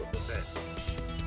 ya terima kasih